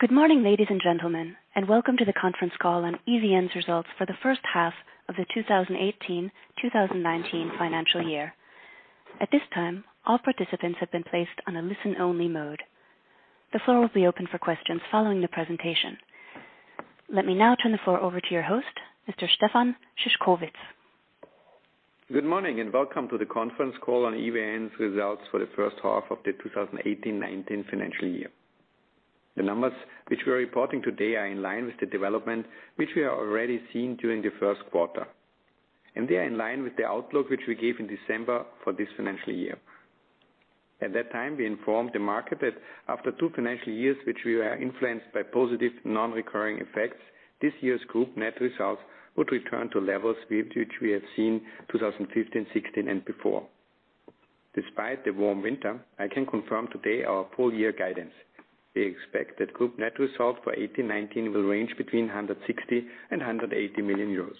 Good morning, ladies and gentlemen, welcome to the conference call on EVN's Results for the First Half of the 2018/2019 Financial Year. At this time, all participants have been placed on a listen-only mode. The floor will be open for questions following the presentation. Let me now turn the floor over to your host, Mr. Stefan Szyszkowitz. Good morning, welcome to the conference call on EVN's results for the first half of the 2018/19 financial year. The numbers which we are reporting today are in line with the development which we have already seen during the first quarter, they are in line with the outlook which we gave in December for this financial year. At that time, we informed the market that after two financial years, which we were influenced by positive non-recurring effects, this year's group net results would return to levels which we have seen 2015, 2016, and before. Despite the warm winter, I can confirm today our full-year guidance. We expect that group net results for 18/19 will range between 160 million and 180 million euros.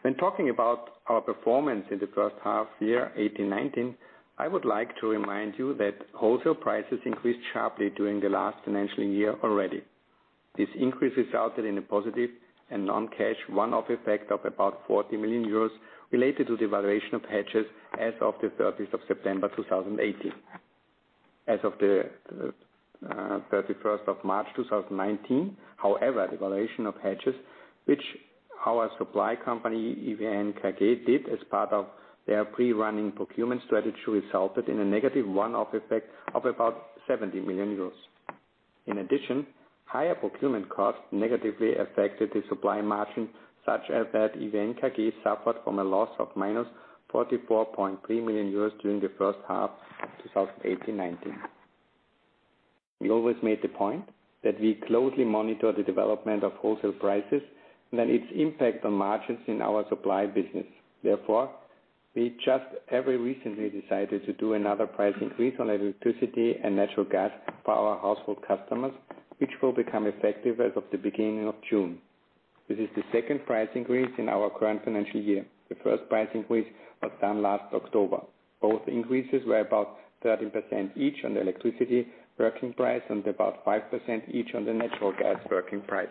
When talking about our performance in the first half year 18/19, I would like to remind you that wholesale prices increased sharply during the last financial year already. This increase resulted in a positive and non-cash one-off effect of about 40 million euros related to the valuation of hedges as of the 30th of September 2018. As of the 31st of March 2019, however, the valuation of hedges, which our supply company, EVN KG, did as part of their pre-running procurement strategy, resulted in a negative one-off effect of about 70 million euros. In addition, higher procurement costs negatively affected the supply margin, such as that EVN KG suffered from a loss -44.3 million euros during the first half 2018/19. We always made the point that we closely monitor the development of wholesale prices and then its impact on margins in our supply business. Therefore, we just very recently decided to do another price increase on electricity and natural gas for our household customers, which will become effective as of the beginning of June. This is the second price increase in our current financial year. The first price increase was done last October. Both increases were about 13% each on the electricity working price and about 5% each on the natural gas working price.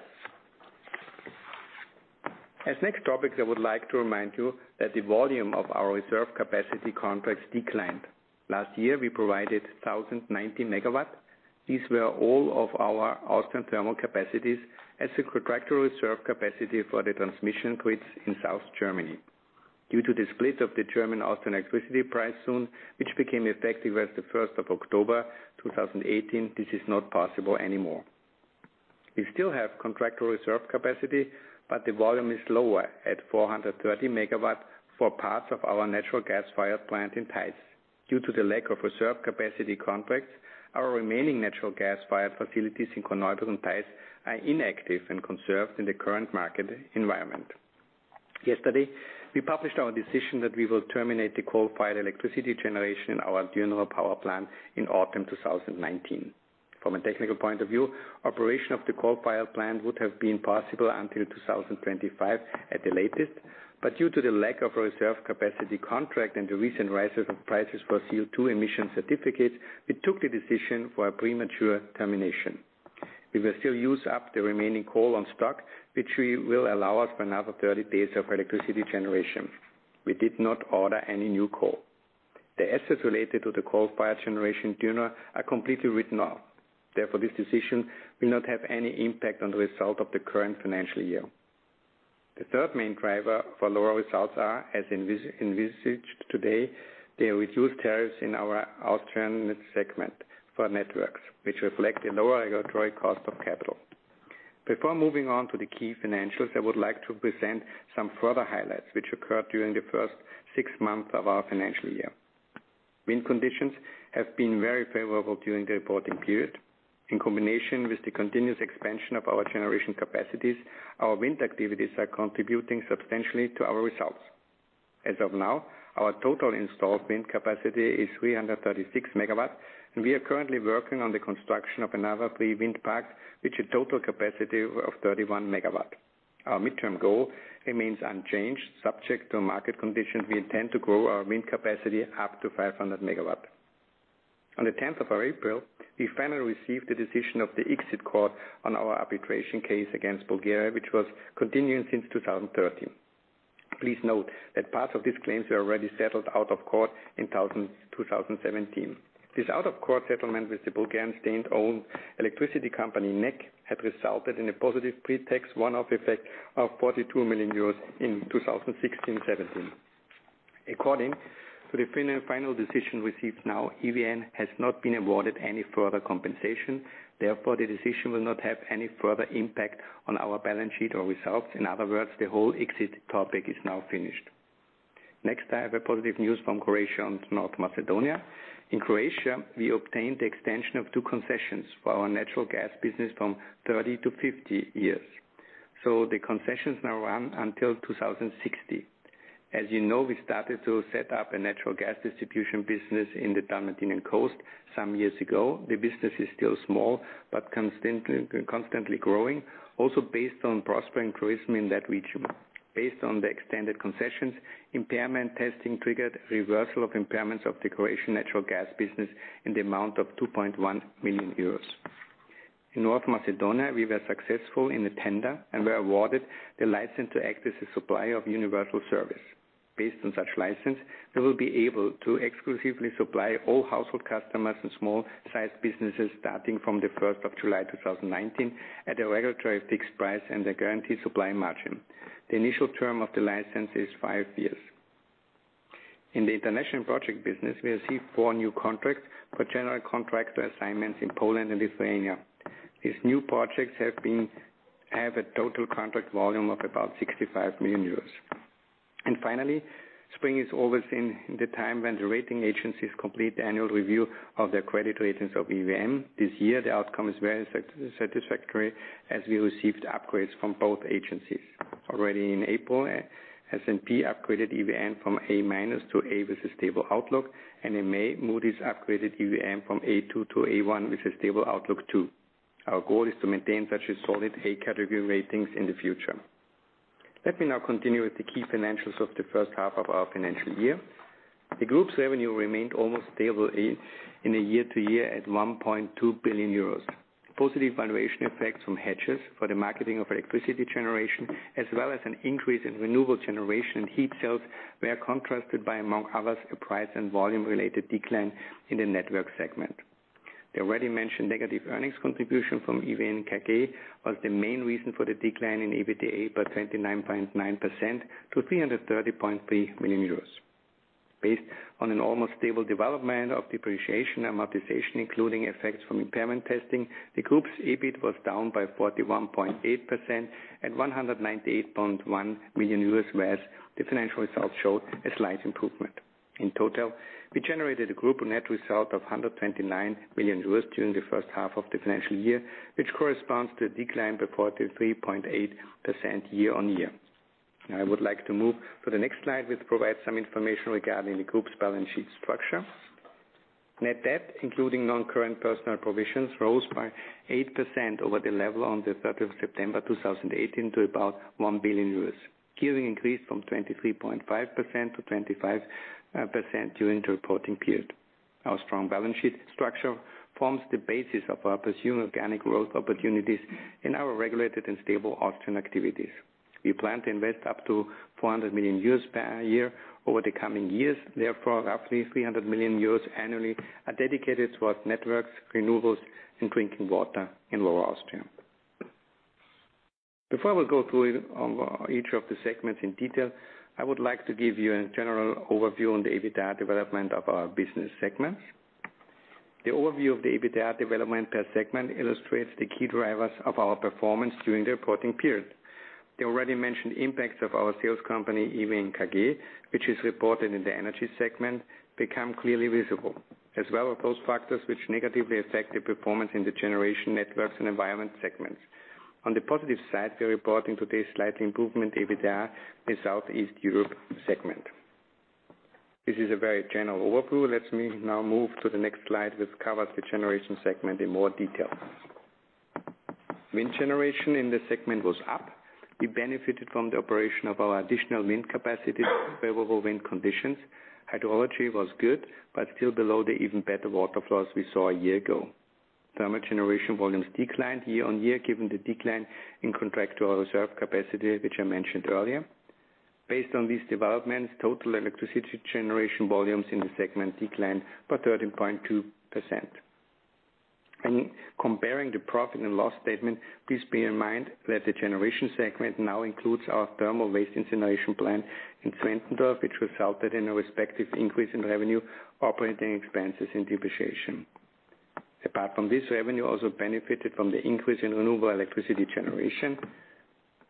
As next topic, I would like to remind you that the volume of our reserve capacity contracts declined. Last year, we provided 1,090 MW. These were all of our Austrian thermal capacities as a contractual reserve capacity for the transmission grids in South Germany. Due to the split of the German-Austrian electricity price zone, which became effective as of the 1st of October 2018, this is not possible anymore. We still have contractual reserve capacity, but the volume is lower at 430 MW for parts of our natural gas-fired plant in Theiß. Due to the lack of reserve capacity contracts, our remaining natural gas-fired facilities in Korneuburg and Theiß are inactive and conserved in the current market environment. Yesterday, we published our decision that we will terminate the coal-fired electricity generation in our Dürnrohr power plant in autumn 2019. From a technical point of view, operation of the coal-fired plant would have been possible until 2025 at the latest, but due to the lack of reserve capacity contract and the recent rises of prices for CO2 emission certificates, we took the decision for a premature termination. We will still use up the remaining coal on stock, which will allow us for another 30 days of electricity generation. We did not order any new coal. The assets related to the coal-fired generation Dürnrohr are completely written off. Therefore, this decision will not have any impact on the result of the current financial year. The third main driver for lower results are, as envisaged today, the reduced tariffs in our Austrian segment for networks, which reflect a lower regulatory cost of capital. Before moving on to the key financials, I would like to present some further highlights which occurred during the first six months of our financial year. Wind conditions have been very favorable during the reporting period. In combination with the continuous expansion of our generation capacities, our wind activities are contributing substantially to our results. As of now, our total installed wind capacity is 336 MW, and we are currently working on the construction of another three wind parks, with a total capacity of 31 MW. Our midterm goal remains unchanged, subject to market conditions, we intend to grow our wind capacity up to 500 MW. On the 10th of April, we finally received the decision of the ICSID court on our arbitration case against Bulgaria, which was continuing since 2013. Please note that parts of these claims were already settled out of court in 2017. This out-of-court settlement with the Bulgarian state-owned electricity company, NEK, had resulted in a positive pretax one-off effect of 42 million euros in 2016/2017. According to the final decision received now, EVN has not been awarded any further compensation. Therefore, the decision will not have any further impact on our balance sheet or results. In other words, the whole ICSID topic is now finished. Next, I have a positive news from Croatia and North Macedonia. In Croatia, we obtained the extension of two concessions for our natural gas business from 30 to 50 years. The concessions now run until 2060. As you know, we started to set up a natural gas distribution business in the Dalmatian Coast some years ago. The business is still small, but constantly growing, also based on prospering tourism in that region. Based on the extended concessions, impairment testing triggered reversal of impairments of the Croatian natural gas business in the amount of 2.1 million euros. In North Macedonia, we were successful in the tender and were awarded the license to act as a supplier of universal service. Based on such license, we will be able to exclusively supply all household customers and small-sized businesses starting from the 1st of July 2019 at a regulatory fixed price and a guaranteed supply margin. The initial term of the license is five years. In the international project business, we received four new contracts for general contractor assignments in Poland and Lithuania. These new projects have a total contract volume of about 65 million euros. Finally, spring is always in the time when the rating agencies complete the annual review of their credit ratings of EVN. This year, the outcome is very satisfactory, as we received upgrades from both agencies. Already in April, S&P upgraded EVN from A- to A with a stable outlook, and in May, Moody's upgraded EVN from A2 to A1, with a stable outlook, too. Our goal is to maintain such a solid A category ratings in the future. Let me now continue with the key financials of the first half of our financial year. The group's revenue remained almost stable in a year-over-year at 1.2 billion euros. Positive valuation effects from hedges for the marketing of electricity generation, as well as an increase in renewable generation and heat sales were contrasted by, among others, a price and volume-related decline in the network segment. The already mentioned negative earnings contribution from EVN KG was the main reason for the decline in EBITDA by 29.9% to 330.3 million euros. Based on an almost stable development of depreciation amortization, including effects from impairment testing, the group's EBIT was down by 41.8% at EUR 198.1 million, whereas the financial results showed a slight improvement. In total, we generated a group net result of 129 million euros during the first half of the financial year, which corresponds to a decline by 43.8% year-on-year. I would like to move to the next slide, which provides some information regarding the group's balance sheet structure. Net debt, including non-current personal provisions, rose by 8% over the level on the 3rd of September 2018 to about 1 billion euros, gearing increased from 23.5% to 25% during the reporting period. Our strong balance sheet structure forms the basis of our presumed organic growth opportunities in our regulated and stable Austrian activities. We plan to invest up to 400 million euros per year over the coming years. Therefore, roughly 300 million euros annually are dedicated towards networks, renewables, and drinking water in Lower Austria. Before we go through each of the segments in detail, I would like to give you a general overview on the EBITDA development of our business segments. The overview of the EBITDA development per segment illustrates the key drivers of our performance during the reporting period. The already mentioned impacts of our sales company, EVN KG, which is reported in the energy segment, become clearly visible, as well as those factors which negatively affect the performance in the generation networks and environment segments. On the positive side, we are reporting today slight improvement EBITDA in South East Europe segment. This is a very general overview. Let me now move to the next slide, which covers the generation segment in more detail. Wind generation in the segment was up. We benefited from the operation of our additional wind capacity, favorable wind conditions. Hydrology was good, but still below the even better water flows we saw a year ago. Thermal generation volumes declined year-on-year, given the decline in contractual reserve capacity, which I mentioned earlier. Based on these developments, total electricity generation volumes in the segment declined by 13.2%. In comparing the profit and loss statement, please bear in mind that the generation segment now includes our thermal waste incineration plant in Zwentendorf/Dürnrohr, which resulted in a respective increase in revenue, operating expenses, and depreciation. Apart from this revenue, also benefited from the increase in renewable electricity generation.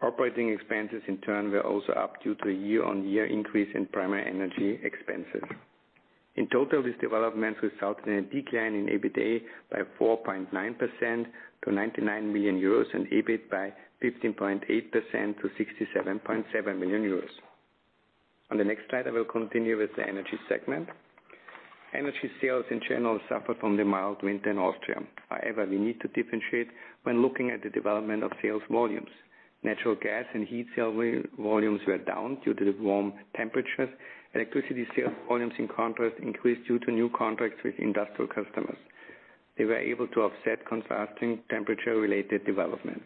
Operating expenses, in turn, were also up due to a year-on-year increase in primary energy expenses. In total, these developments resulted in a decline in EBITDA by 4.9% to 99 million euros and EBIT by 15.8% to 67.7 million euros. On the next slide, I will continue with the energy segment. Energy sales in general suffered from the mild winter in Austria. We need to differentiate when looking at the development of sales volumes. Natural gas and heat sale volumes were down due to the warm temperatures. Electricity sales volumes, in contrast, increased due to new contracts with industrial customers. They were able to offset contrasting temperature-related developments.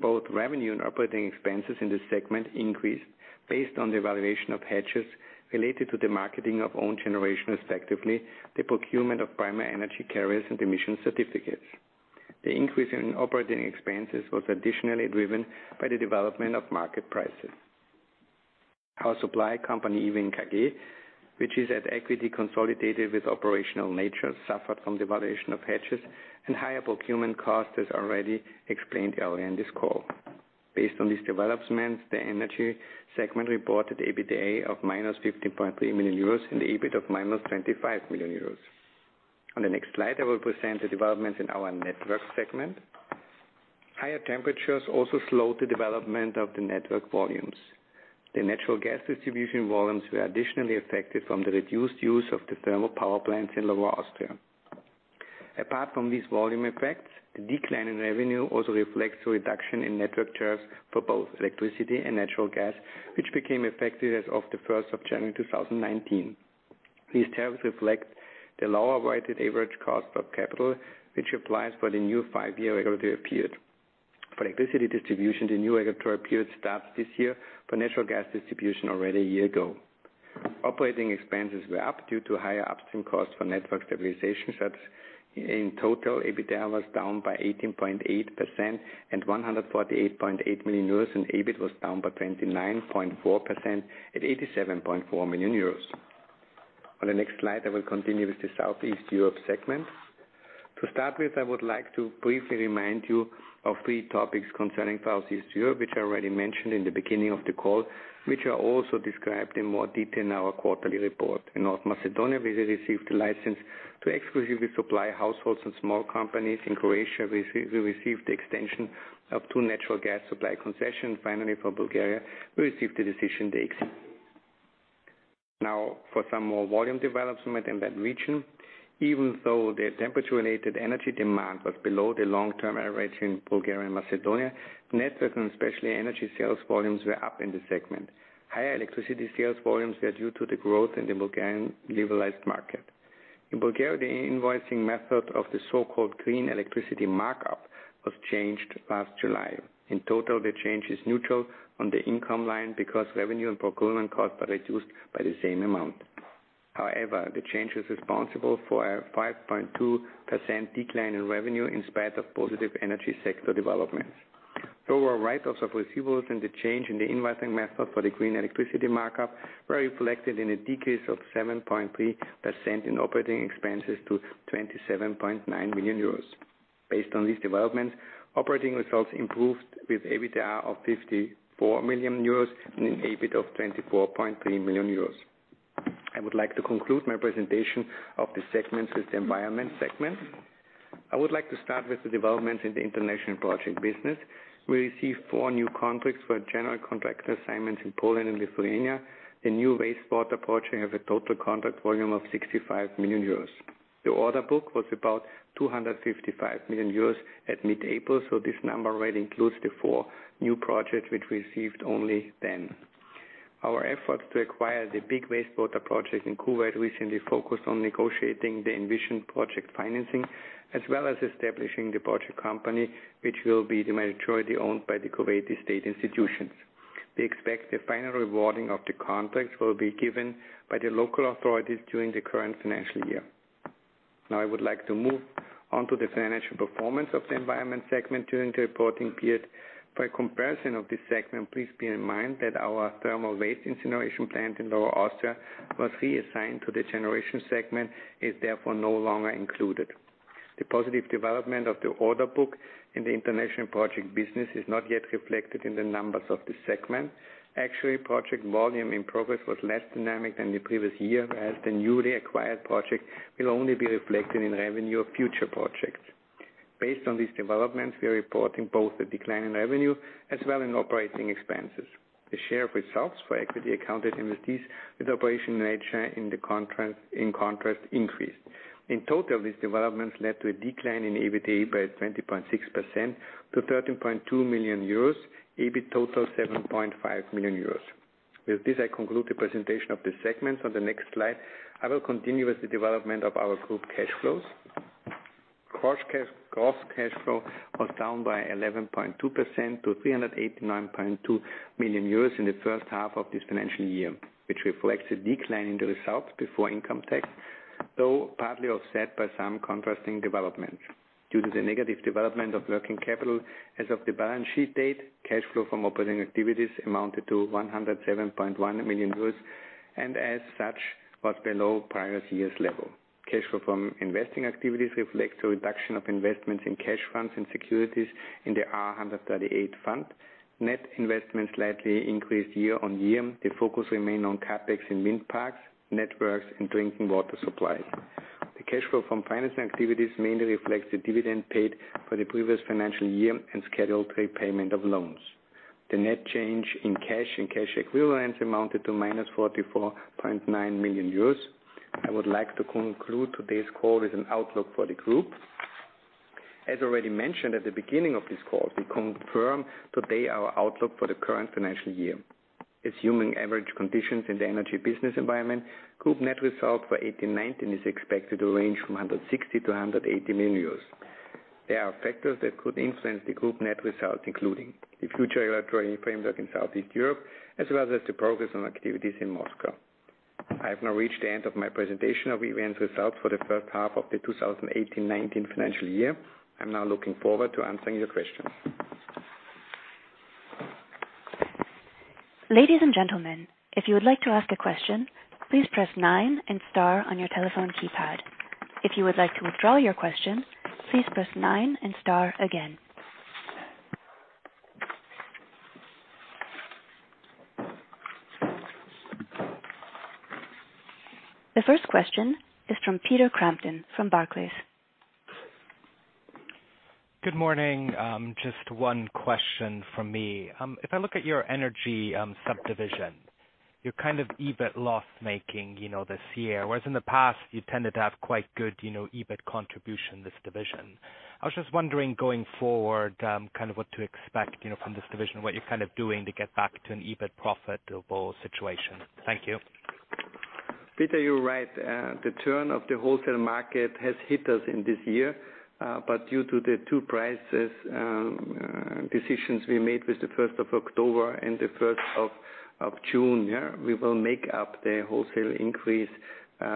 Both revenue and operating expenses in this segment increased based on the valuation of hedges related to the marketing of own generation, respectively, the procurement of primary energy carriers and emission certificates. The increase in operating expenses was additionally driven by the development of market prices. Our supply company, EVN KG, which is at equity consolidated with operational nature, suffered from the valuation of hedges and higher procurement cost, as already explained earlier in this call. Based on these developments, the energy segment reported EBITDA of -15.3 million euros and the EBIT of -25 million euros. On the next slide, I will present the developments in our network segment. Higher temperatures also slowed the development of the network volumes. The natural gas distribution volumes were additionally affected from the reduced use of the thermal power plants in Lower Austria. Apart from these volume effects, the decline in revenue also reflects a reduction in network charges for both electricity and natural gas, which became effective as of the 1st of January 2019. These terms reflect the lower weighted average cost of capital, which applies for the new five-year regulatory period. For electricity distribution, the new regulatory period starts this year, for natural gas distribution already a year ago. Operating expenses were up due to higher upstream costs for network stabilization services. In total, EBITDA was down by 18.8% at 148.8 million euros, and EBIT was down by 29.4% at 87.4 million euros. On the next slide, I will continue with the Southeast Europe segment. To start with, I would like to briefly remind you of three topics concerning Southeast Europe, which I already mentioned in the beginning of the call, which are also described in more detail in our quarterly report. In North Macedonia, we received a license to exclusively supply households and small companies. In Croatia, we received the extension of two natural gas supply concessions. Finally, for Bulgaria, we received the decision. For some more volume development in that region. Even though the temperature-related energy demand was below the long-term average in Bulgaria and Macedonia, networks and especially energy sales volumes were up in the segment. Higher electricity sales volumes were due to the growth in the Bulgarian liberalized market. In Bulgaria, the invoicing method of the so-called green electricity markup was changed last July. In total, the change is neutral on the income line because revenue and procurement costs are reduced by the same amount. The change is responsible for a 5.2% decline in revenue in spite of positive energy sector developments. Lower write-offs of receivables and the change in the invoicing method for the green electricity markup were reflected in a decrease of 7.3% in operating expenses to 27.9 million euros. Based on these developments, operating results improved with EBITDA of 54 million euros and an EBIT of 24.3 million euros. I would like to conclude my presentation of the segments with the environment segment. I would like to start with the developments in the international project business. We received four new contracts for general contract assignments in Poland and Lithuania. The new wastewater project has a total contract volume of 65 million euros. The order book was about 255 million euros at mid-April, this number already includes the four new projects which we received only then. Our efforts to acquire the big wastewater project in Kuwait recently focused on negotiating the envisioned project financing, as well as establishing the project company, which will be the majority owned by the Kuwaiti state institutions. We expect the final awarding of the contract will be given by the local authorities during the current financial year. I would like to move on to the financial performance of the environment segment during the reporting period. Comparison of this segment, please bear in mind that our thermal waste incineration plant in Lower Austria was reassigned to the generation segment and is therefore no longer included. The positive development of the order book in the international project business is not yet reflected in the numbers of this segment. Actually, project volume in progress was less dynamic than the previous year, as the newly acquired project will only be reflected in revenue of future projects. Based on these developments, we are reporting both a decline in revenue as well in operating expenses. The share of results for equity accounted investees with operation nature in contrast increased. In total, these developments led to a decline in EBIT by 20.6% to 13.2 million euros, EBIT total, 7.5 million euros. With this, I conclude the presentation of the segments. On the next slide, I will continue with the development of our group cash flows. Gross cash flow was down by 11.2% to 389.2 million euros in the first half of this financial year, which reflects a decline in the results before income tax, though partly offset by some contrasting developments. Due to the negative development of working capital as of the balance sheet date, cash flow from operating activities amounted to 107.1 million euros, and as such, was below prior year's level. Cash flow from investing activities reflects a reduction of investments in cash funds and securities in the R138 fund. Net investment slightly increased year-on-year. The focus remained on CapEx and wind parks, networks, and drinking water supply. The cash flow from financing activities mainly reflects the dividend paid for the previous financial year and scheduled repayment of loans. The net change in cash and cash equivalents amounted to -44.9 million euros. I would like to conclude today's call with an outlook for the group. As already mentioned at the beginning of this call, we confirm today our outlook for the current financial year. Assuming average conditions in the energy business environment, group net results for 2018/2019 is expected to range from 160 million-180 million euros. There are factors that could influence the group net results, including the future regulatory framework in Southeast Europe, as well as the progress on activities in Moscow. I have now reached the end of my presentation of EVN's results for the first half of the 2018/2019 financial year. I'm now looking forward to answering your questions. Ladies and gentlemen, if you would like to ask a question, please press nine and star on your telephone keypad. If you would like to withdraw your question, please press nine and star again. The first question is from Peter Crampton from Barclays. Good morning. Just one question from me. If I look at your energy subdivision, you're kind of EBIT loss-making this year, whereas in the past, you tended to have quite good EBIT contribution in this division. I was just wondering going forward, what to expect from this division, what you're doing to get back to an EBIT profitable situation. Thank you. Peter, you're right. The turn of the wholesale market has hit us in this year. Due to the two prices decisions we made with the 1st of October and the 1st of June, we will make up the wholesale increase,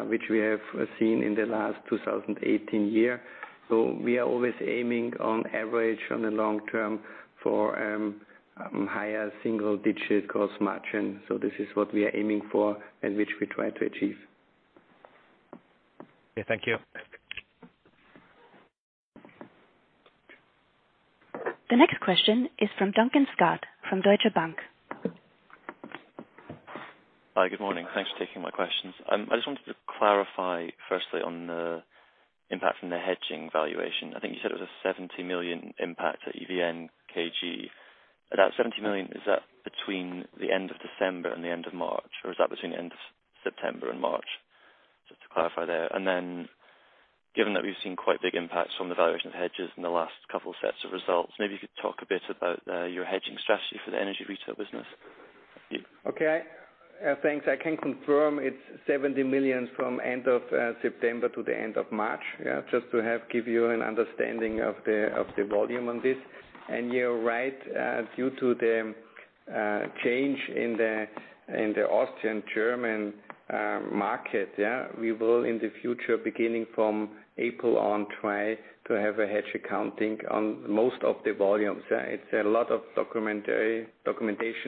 which we have seen in the last 2018 year. We are always aiming on average on the long term for higher single-digits gross margin. This is what we are aiming for and which we try to achieve. Okay, thank you. The next question is from Duncan Scott, from Deutsche Bank. Hi, good morning. Thanks for taking my questions. I just wanted to clarify firstly on the impact from the hedging valuation. I think you said it was a 70 million impact at EVN KG. That 70 million, is that between the end of December and the end of March, or is that between the end of September and March? Just to clarify there. Given that we've seen quite big impacts from the valuation of hedges in the last couple sets of results, maybe you could talk a bit about your hedging strategy for the energy retail business. Thank you. Okay. Thanks. I can confirm it's 70 million from end of September to the end of March. Yeah. Just to give you an understanding of the volume on this. You're right, due to the change in the Austrian German market, we will in the future, beginning from April on, try to have a hedge accounting on most of the volumes. It's a lot of documentation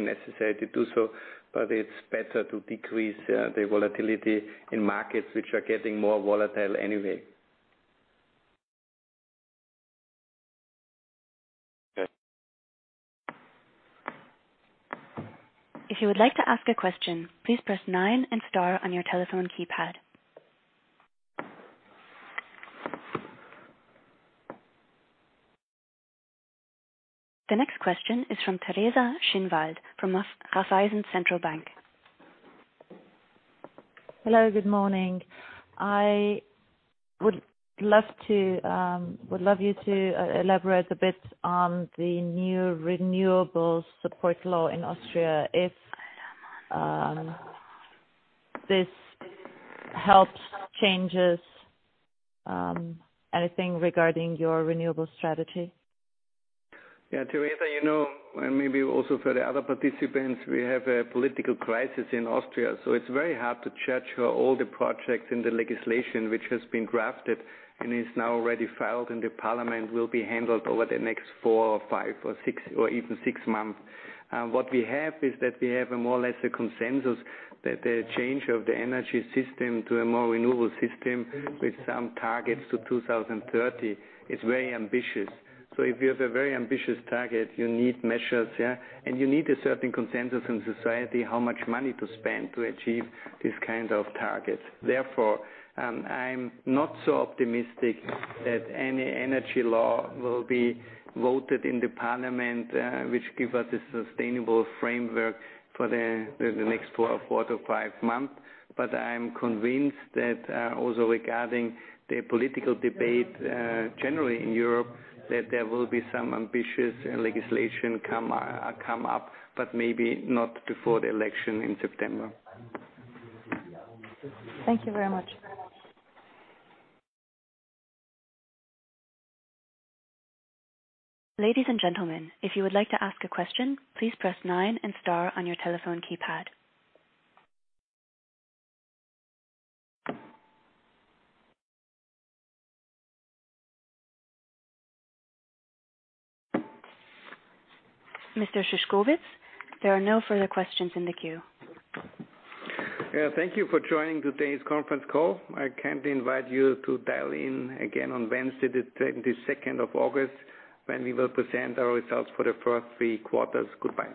necessary to do so, but it's better to decrease the volatility in markets which are getting more volatile anyway. Good. If you would like to ask a question, please press nine and star on your telephone keypad. The next question is from Teresa Schinwald, from Raiffeisen Centrobank. Hello, good morning. I would love you to elaborate a bit on the new renewable support law in Austria, if this helps changes anything regarding your renewable strategy. Teresa, and maybe also for the other participants, we have a political crisis in Austria, it's very hard to judge all the projects in the legislation which has been drafted and is now already filed in the parliament, will be handled over the next four or five or even six months. What we have is that we have a more or less a consensus that the change of the energy system to a more renewable system with some targets to 2030 is very ambitious. If you have a very ambitious target, you need measures. You need a certain consensus in society, how much money to spend to achieve these kind of targets. Therefore, I'm not so optimistic that any energy law will be voted in the parliament, which give us a sustainable framework for the next four to five months. I am convinced that, also regarding the political debate generally in Europe, that there will be some ambitious legislation come up, but maybe not before the election in September. Thank you very much. Ladies and gentlemen, if you would like to ask a question, please press nine and star on your telephone keypad. Mr. Szyszkowitz, there are no further questions in the queue. Yeah. Thank you for joining today's conference call. I kindly invite you to dial in again on Wednesday, the 22nd of August, when we will present our results for the first three quarters. Goodbye.